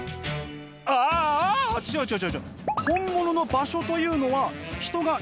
ああ違う違う違う違う。